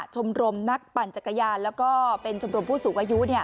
ชมรมนักปั่นจักรยานแล้วก็เป็นชมรมผู้สูงอายุ